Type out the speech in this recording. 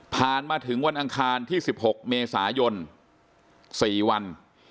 มาถึงวันอังคารที่๑๖เมษายน๔วัน